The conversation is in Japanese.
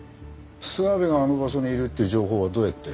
諏訪部があの場所にいるっていう情報はどうやって？